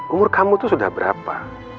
umur kamu itu sudah berapa